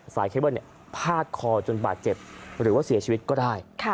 เคเบิ้ลพาดคอจนบาดเจ็บหรือว่าเสียชีวิตก็ได้